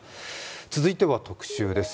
続いては特集です。